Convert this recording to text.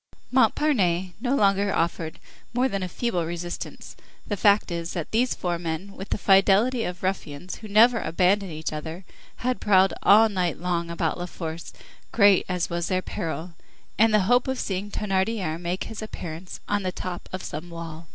Montparnasse no longer offered more than a feeble resistance; the fact is, that these four men, with the fidelity of ruffians who never abandon each other, had prowled all night long about La Force, great as was their peril, in the hope of seeing Thénardier make his appearance on the top of some wall.